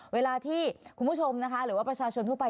เวลาที่คุณผู้ชมนะคะหรือว่าประชาชนทั่วไป